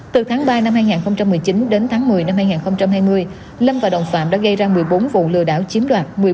từ tháng ba năm hai nghìn một mươi chín đến tháng một mươi năm hai nghìn hai mươi lâm và đồng phạm đã gây ra một mươi bốn vụ lừa đảo chiếm đoạt